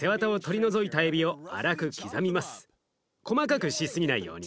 細かくしすぎないように。